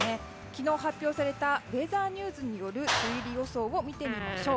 昨日、発表されたウェザーニューズによる梅雨入り予想を見ていきます。